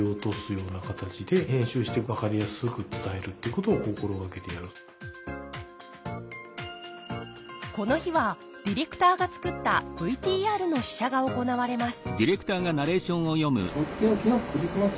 我々の番組で言うとこの日はディレクターが作ったＶＴＲの試写が行われます